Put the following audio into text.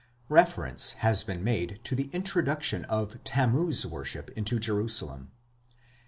Reference has been made to the introduction of Tammuz worship into Jerusalem.